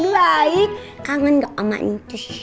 baik kangen dong sama intus